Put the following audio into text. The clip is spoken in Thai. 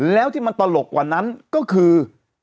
แล้วที่มันตลกกว่านั้นก็คือ